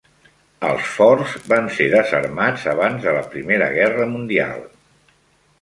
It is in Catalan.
Els forts van ser desarmats abans de la Primera Guerra Mundial.